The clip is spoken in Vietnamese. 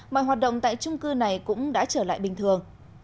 mọi hoạt động tại trung cư này cũng đã trở lại bình thường